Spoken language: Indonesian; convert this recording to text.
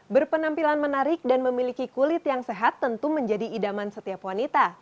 berpenampilan menarik dan memiliki kulit yang sehat tentu menjadi idaman setiap wanita